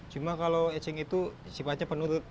cuma kalau ejeng itu sifatnya penurut